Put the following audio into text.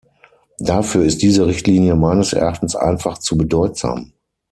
Dafür ist diese Richtlinie meines Erachtens einfach zu bedeutsam.